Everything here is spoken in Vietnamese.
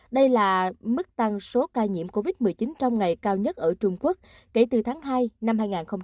đây là mức tăng số ca nhiễm covid một mươi chín trong ngày cao nhất ở trung quốc kể từ tháng hai năm hai nghìn hai mươi